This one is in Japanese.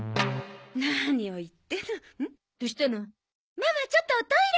ママちょっとおトイレ！